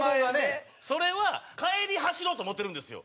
それは帰り走ろうと思ってるんですよ。